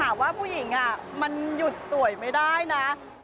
ว่าผู้หญิงมันหยุดสวยไม่ได้นะ